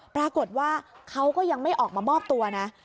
ปรากฏว่าเขาก็ยังไม่ออกมามอบตัวนะ